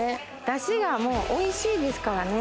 ダシがおいしいですからね